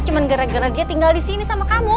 cuma gara gara dia tinggal di sini sama kamu